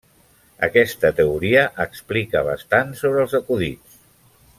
Aquesta teoria explica bastant sobre els acudits.